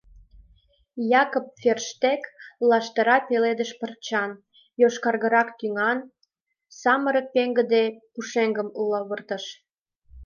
— Якоб Ферштег лаштыра пеледыш парчан, йошкаргырак тӱҥан самырык пеҥгыде пушеҥгым лывыртыш.